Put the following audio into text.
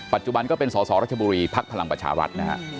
ปัจจุบันก็เป็นสซาราชบุรีภัครพลังประชาวรัฐ